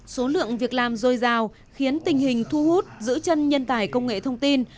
số lượng việc làm dồi dào khiến tình hình thu hút giữ chân nhân tài công nghệ thông tin